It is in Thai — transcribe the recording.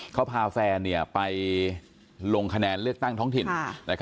เขาพาแฟนไปลงคะแนนเลือกตั้งท้องถิ่น